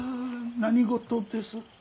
何事です？